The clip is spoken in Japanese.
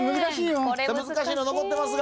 難しいの残ってますが。